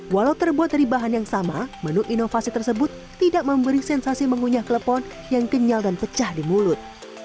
walau terbuat dari bahan yang sama menu inovasi tersebut tidak memberi sensasi mengunyah klepon yang kenyal dan pecah di mulut